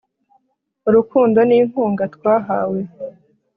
urukundo n'inkunga twahawe